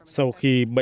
sau khi bệnh bỏ